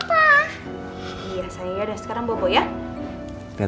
tante rosa ulang tahun